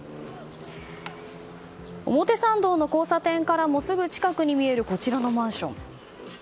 表参道の交差点からもすぐ近くに見えるこちらのマンション。